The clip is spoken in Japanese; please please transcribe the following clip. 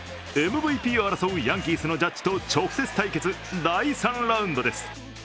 ＭＶＰを争うヤンキースのジャッジと直接対決第３ラウンドです。